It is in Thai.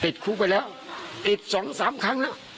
ติดคุกไปแล้วติดสองสามครั้งน่ะ